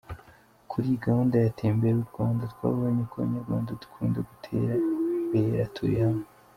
‘Kuri iyi gahunda ya Tembera u Rwanda, twabonye ko abanyarwanda dukunda gutembera turi hamwe.